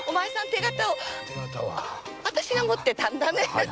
手形は？あたしが持ってたんだね！